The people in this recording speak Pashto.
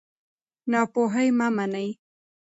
ناپوهي مه منئ.